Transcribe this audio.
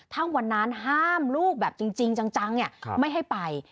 ถ้าวันนั้นห้ามลูกแบบจริงจังไม่ให้ไป